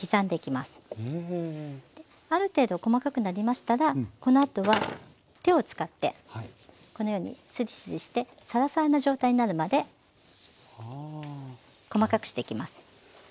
ある程度細かくなりましたらこのあとは手を使ってこのようにすりすりしてサラサラな状態になるまで細かくしていきます。